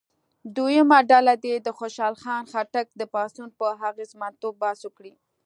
دویمه ډله دې د خوشحال خان خټک د پاڅون په اغېزمنتوب بحث وکړي.